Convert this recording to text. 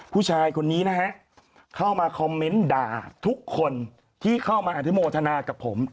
ผู้ชายคนนี้นะฮะเข้ามาคอมเมนต์ด่าทุกคนที่เข้ามาอนุโมทนากับผม